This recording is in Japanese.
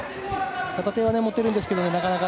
片手は持ってるんですがなかなか。